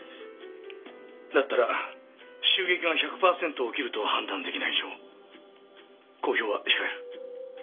だったら襲撃が１００パーセント起きると判断出来ない以上公表は控える。